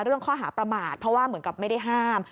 เรื่องข้อหาประมาทเพราะว่าเหมือนกับไม่ได้ห้าม